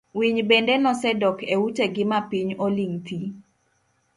Winy bende nosedok e ute gi mapiny oling' thiii.